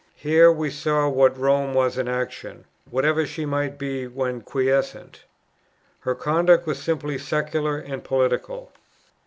Here we saw what Rome was in action, whatever she might be when quiescent. Her conduct was simply secular and political.